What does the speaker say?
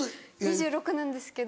２６歳なんですけど。